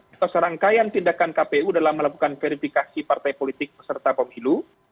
atau serangkaian tindakan kpu dalam melakukan verifikasi partai politik peserta pemilu